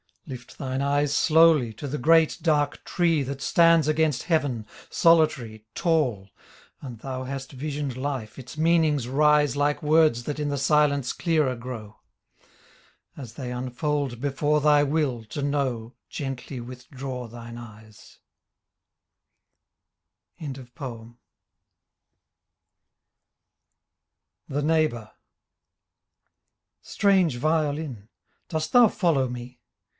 Lift thine eyes slowly to the great dark tree That stands against heaven, solitary, tall, And thou hast visioned Life, its meanings rise Like words that in the silence clearer grow; As they unfold before thy will to know Gently withdraw thine eyes — 15 THE NEIGHBOUR Strange violin ! Dost thou follow me?